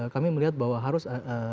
kami melihat bahwa harus